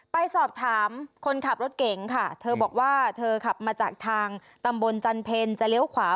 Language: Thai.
ไปสอบถามคนขับรถเก๋งค่ะเธอบอกว่าเธอขับมาจากทางตำบลจันเพลจะเลี้ยวขวา